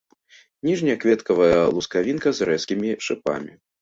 Ніжняя кветкавая лускавінка з рэзкімі шыпамі.